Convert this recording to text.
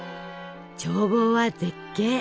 眺望は絶景。